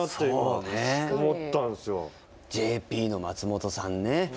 ＪＰの松本さんね。